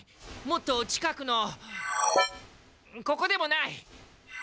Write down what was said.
もっと近くのここでもない！